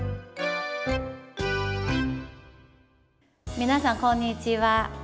皆さん、こんにちは。